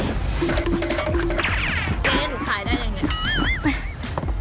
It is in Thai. เจ๊หนูขายได้ยังไง